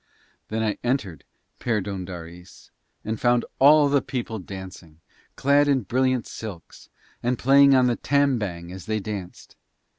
Then I entered Perdóndaris and found all the people dancing, clad in brilliant silks, and playing on the tam bang as they danced.